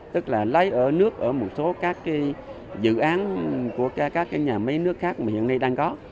tức là lấy ở nước ở một số các dự án của các nhà máy nước khác mà hiện nay đang có